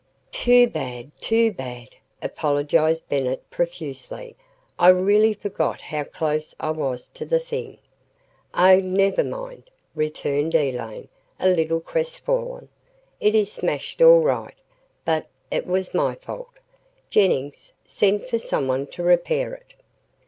"Too bad, too bad," apologized Bennett profusely. "I really forgot how close I was to the thing." "Oh, never mind," returned Elaine, a little crestfallen, "It is smashed all right but it was my fault. Jennings, send for someone to repair it."